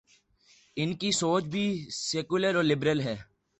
ان کی سوچ بھی سیکولر اور لبرل ہے۔